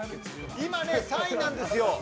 今３位なんですよ。